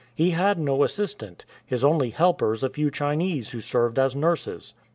" He had no assistant — his only helpers a few Chinese who served as nurses.""